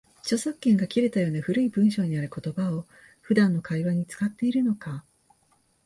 著作権が切れたような古い文章にある言葉を、普段の会話に使っているのか